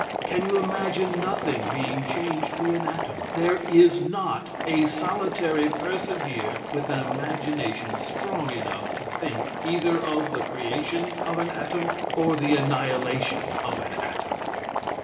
Can you imagine nothing being changed to an atom? There is not a solitary person here with an imagination strong enough to think either of the creation of an atom or of the annihilation of an atom.